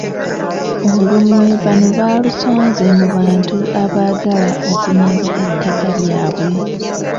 Olunwe bano baalusonze mu bantu abaagala okunyaga ettaka lyabwe.